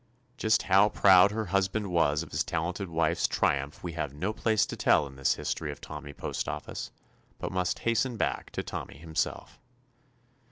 Just how proud her husband was of his talented wife's triumph we have no place to tell in this history of Tom my Postoffice, but must hasten back to Tommy himself.